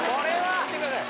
・いってください